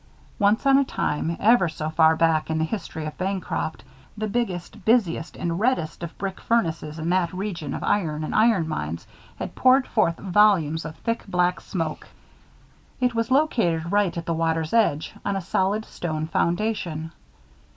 Once on a time, ever so far back in the history of Bancroft, the biggest, busiest, and reddest of brick furnaces, in that region of iron and iron mines, had poured forth volumes of thick black smoke. It was located right at the water's edge, on a solid stone foundation.